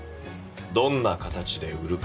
どんな形で売るか。